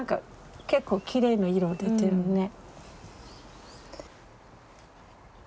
結構きれいに色出てるね。